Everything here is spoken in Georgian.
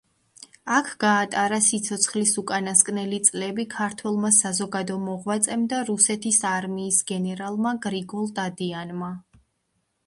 აქ გაატარა სიცოცხლის უკანასკნელი წლები ქართველმა საზოგადო მოღვაწემ და რუსეთის არმიის გენერალმა გრიგოლ დადიანმა.